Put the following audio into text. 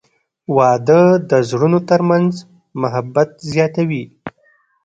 • واده د زړونو ترمنځ محبت زیاتوي.